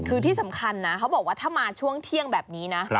คือที่สำคัญนะเขาบอกว่าถ้ามาช่วงเที่ยงแบบนี้นะ